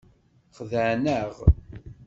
Xedεen-aɣ.